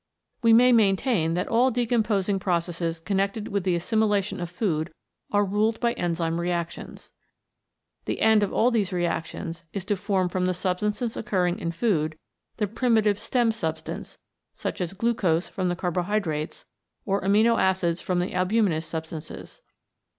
We may maintain that all decomposing processes connected with the assimilation of food are ruled by enzyme reactions. The end of all these reactions is to form from the substances occurring in food the primitive stem substance, such as glucose from the carbohydrates or amino acids from albuminous substances.